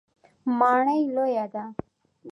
ماڼۍ لویه ده.